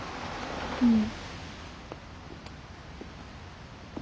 うん。